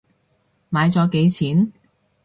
買咗幾錢？